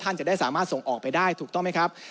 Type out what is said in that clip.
จะได้สามารถส่งออกไปได้ถูกต้องไหมครับ